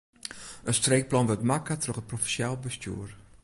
In streekplan wurdt makke troch it provinsjaal bestjoer.